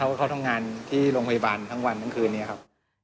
ก็เข้าทางงานที่โรงพยาบาลทั้งวันเมื่อคืนนี้ครับ